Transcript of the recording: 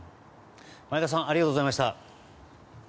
前田さんありがとうございました。